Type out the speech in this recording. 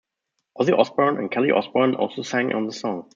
Ozzy Osbourne and Kelly Osbourne also sang on the song.